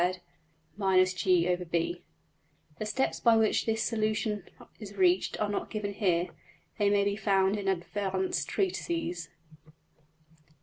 \end{DPalign*} The steps by which this solution is reached are not given here; they may be found in advanced treatises.